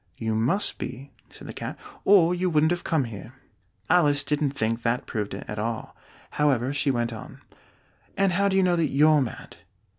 "You must be," said the Cat, "or you wouldn't have come here." Alice didn't think that proved it at all; however, she went on, "And how do you know that you're mad?"